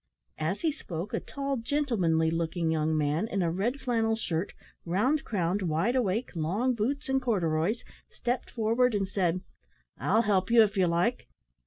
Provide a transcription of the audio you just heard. As he spoke, a tall, gentlemanly looking young man, in a red flannel shirt, round crowned wide awake, long boots, and corduroys, stepped forward, and said, "I'll help you, if you like."